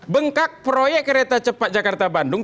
bengkak proyek kereta cepat jakarta bandung